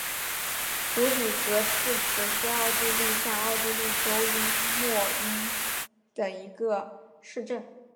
普里格利茨是奥地利下奥地利州诺因基兴县的一个市镇。